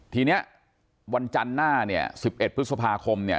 ทีนี้วันจันทร์หน้า๑๑พฤษภาคม